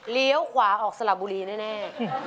เลี้ยวขวาออกสละบุรีแน่